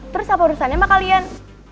terus apa urusannya sama kalian